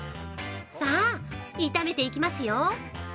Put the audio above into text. さあ、炒めていきますよ。